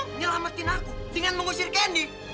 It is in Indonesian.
menyelamatin aku dengan mengusir kenny